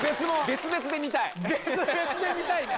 別々で観たいね。